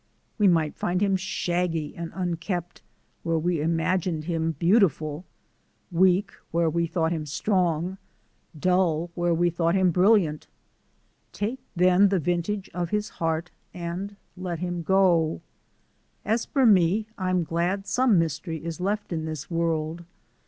We might find him shaggy and unkempt where we imagined him beautiful, weak where we thought him strong, dull where we thought him brilliant. Take then the vintage of his heart and let him go. As for me, I'm glad some mystery is left in this world.